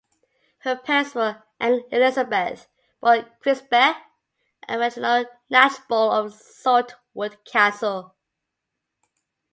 Her parents were Ann Elizabeth (born Crispe) and Reginald Knatchbull of Saltwood Castle.